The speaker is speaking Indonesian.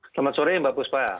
selamat sore mbak buspa